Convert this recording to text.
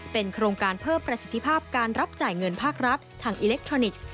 เป็นโครงการเพิ่มประสิทธิภาพการรับจ่ายเงินภาครัฐทางอิเล็กทรอนิกส์